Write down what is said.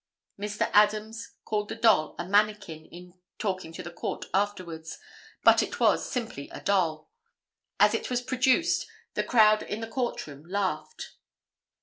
Mr. Adams called the doll a manikin in talking to the Court afterwards, but it was simply a doll. As it was produced the crowd in the court room laughed.